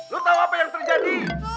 hei lo tau apa yang terjadi